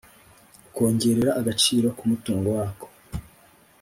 ukongerera agaciro k umutungo wako